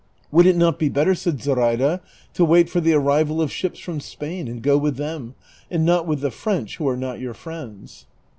" Would it not be better," said Zoraida, " to wait for the arrival of ships from S]min and go with them, and not with the French who are not your friends